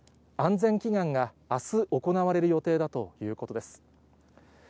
安全祈願が、あす行われる予定だということです。